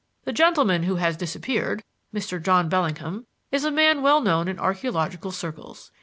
The gentleman who has disappeared, Mr. John Bellingham, is a man well known in archeological circles.